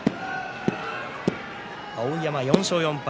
碧山、４勝４敗。